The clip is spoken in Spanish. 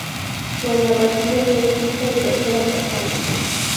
La narrativa está escrita en tercera persona.